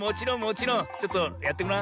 ちょっとやってごらん。